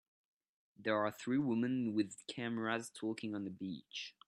There are three women with cameras talking on the beach